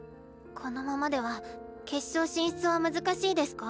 このままでは決勝進出は難しいデスカ？